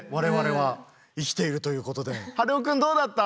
はるおくんどうだった？